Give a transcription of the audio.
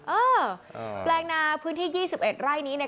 เออแปลงนาพื้นที่๒๑ไร่นี้เนี่ย